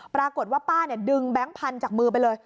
ปรากฏว่าป้าดึงแบงค์พันธุ์จากมือไปเลย